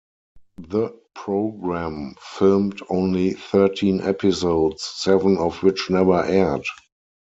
The program filmed only thirteen episodes, seven of which never aired.